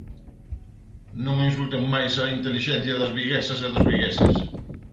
Non insulten máis a intelixencia das viguesas e dos vigueses.